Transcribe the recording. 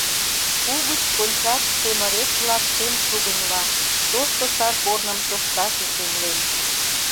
Угыч кончат шем ырес-влак шем сугыньла, тошто сар корным тошкаш эсенлен!